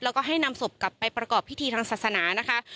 แล้วก็ให้นำศพกลับไปประกอบพิธีทางศาสนานะคะ